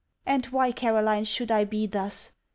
And why, Caroline, should I be thus?